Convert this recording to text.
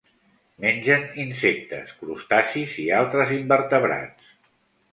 Mengen insectes, crustacis i altres invertebrats.